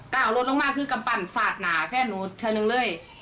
รถลงมาคือกำปั้นฝาดหนาแค่หนูเฉยหนึ่งเลย